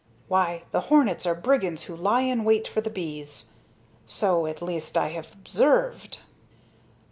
Why, the hornets are brigands who lie in wait for you bees. So, at least, I have observed."